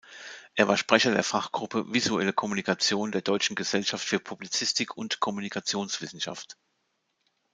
Er war Sprecher der Fachgruppe "Visuelle Kommunikation" der Deutschen Gesellschaft für Publizistik- und Kommunikationswissenschaft.